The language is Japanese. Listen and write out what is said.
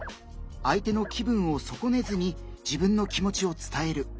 相手の気分を損ねずに自分の気持ちを伝える。